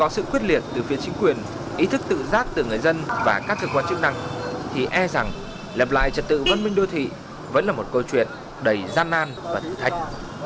sự quyết liệt từ phía chính quyền ý thức tự giác từ người dân và các cơ quan chức năng thì e rằng lập lại trật tự văn minh đô thị vẫn là một câu chuyện đầy gian nan và thử thách